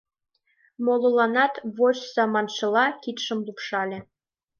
Молыланат, «вочса» маншыла, кидшым лупшале.